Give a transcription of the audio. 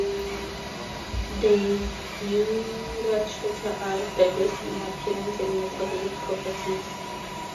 The "Euryarchaeota" are diverse in appearance and metabolic properties.